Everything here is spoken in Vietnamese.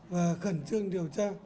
và khẩn trương điều tra